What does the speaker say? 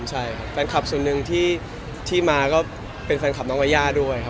ใช่ครับแฟนคลับส่วนหนึ่งที่มาก็เป็นแฟนคลับน้องยาย่าด้วยครับ